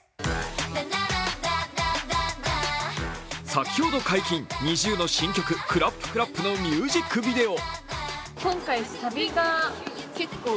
先ほど解禁、ＮｉｚｉＵの新曲「ＣＬＡＰＣＬＡＰ」のミュージックビデオ。